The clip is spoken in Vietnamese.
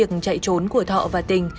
trong trạng chạy trốn của thọ và tình